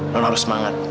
nona harus semangat